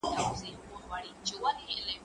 زه اجازه لرم چي ښوونځی ته ولاړ سم!!